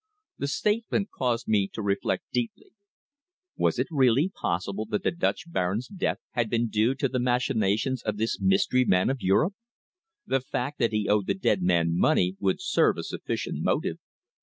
This statement caused me to reflect deeply. Was it really possible that the Dutch Baron's death had been due to the machinations of this mystery man of Europe? The fact that he owed the dead man money would serve as sufficient motive!